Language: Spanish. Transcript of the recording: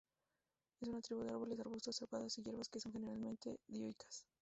Es una tribu de los árboles, arbustos, trepadoras e hierbas que son generalmente dioicas.